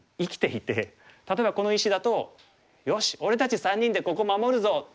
例えばこの石だと「よし！俺たち３人でここ守るぞ」。